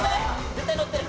絶対のってる。